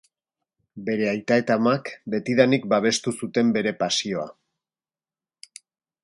Bere aita eta amak betidanik babestu zuten bere pasioa.